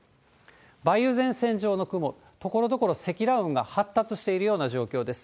梅雨前線上の雲、ところどころ積乱雲が発達しているような状況です。